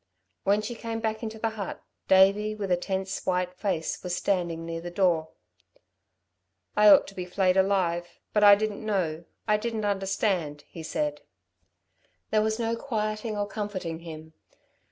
When she came back into the hut Davey, with a tense white face, was standing near the door. "I ought to be flayed alive but I didn't know, I didn't understand," he said. There was no quieting or comforting him.